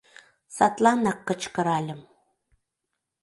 Садланак кычкыральым: